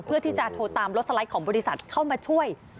เพื่อที่จะโทรตามรถสไลด์ของบริษัทเข้ามาช่วย